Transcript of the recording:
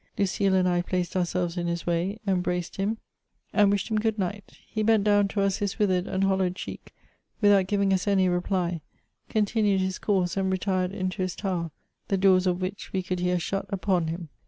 Lucile and I placed ourselves in his way, embraced him, and wished him ^ood night. He bent down to us his withered and hollow cheek, without giving us any reply, continued his course, and retired into his tower, the do«rs of which we could hear shut upon him.